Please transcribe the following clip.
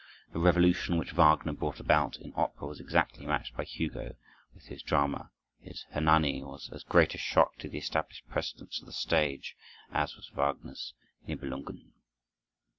The revolution which Wagner brought about in opera was exactly matched by Hugo with the drama. His "Hernani" was as great a shock to the established precedents of the stage, as was Wagner's "Nibelungen."